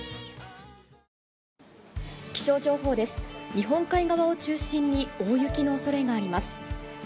日本海側を中心に大雪の恐れがあります。